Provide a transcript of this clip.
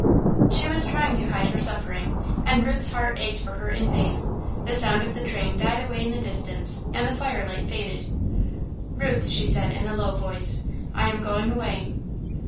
She was trying to hide her suffering, and Ruth's heart ached for her in vain. The sound of the train died away in the distance and the firelight faded. "Ruth," she said, in a low voice, "I am going away."